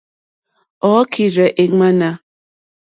Ɔ́ kírzɛ́ è ŋmánà.